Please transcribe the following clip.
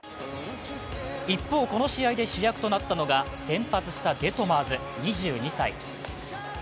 一方、この試合で主役となったのが先発したデトマーズ、２２歳。